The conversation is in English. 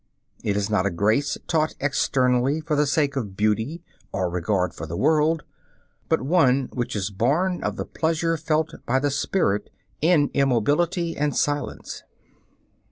It is not a grace taught externally for the sake of beauty or regard for the world, but one which is born of the pleasure felt by the spirit in immobility and silence.